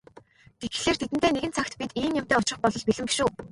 Тэгэхлээр тэдэнтэй нэгэн цагт бид ийм юмтай учрах болбол бэлэн биш үү?